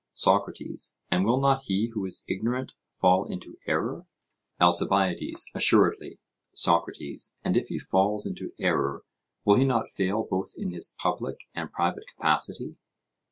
SOCRATES: And will not he who is ignorant fall into error? ALCIBIADES: Assuredly. SOCRATES: And if he falls into error will he not fail both in his public and private capacity?